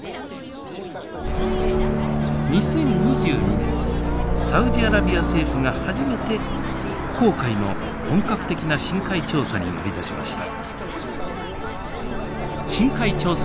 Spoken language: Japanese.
２０２２年サウジアラビア政府が初めて紅海の本格的な深海調査に乗り出しました。